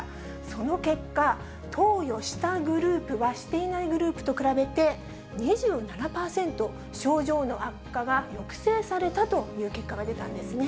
その結果、投与したグループはしていないグループと比べて、２７％症状の悪化が抑制されたという結果が出たんですね。